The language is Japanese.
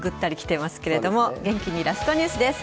元気にラストニュースです。